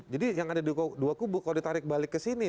jadi yang ada dua kubuk kalau ditarik balik ke sini nih